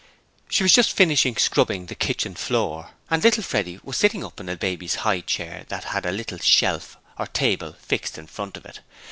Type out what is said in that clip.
She was just finishing scrubbing the kitchen floor and little Freddie was sitting up in a baby's high chair that had a little shelf or table fixed in front of it.